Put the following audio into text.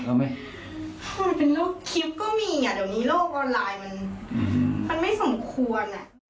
มันไม่สมควร